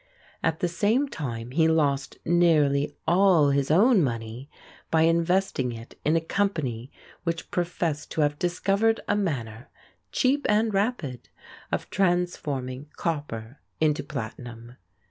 At the same time he lost nearly all his own money by investing it in a company which professed to have discovered a manner cheap and rapid of transforming copper into platinum.